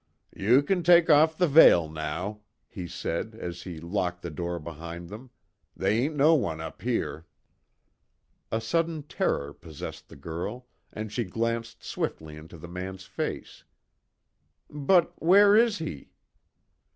"You kin take off the veil, now," he said, as he locked the door behind them, "They ain't no one up here." A sudden terror possessed the girl, and she glanced swiftly into the man's face. "But where is he?"